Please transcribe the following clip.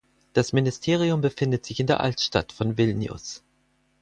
Das Ministerium befindet sich in der Altstadt von Vilnius.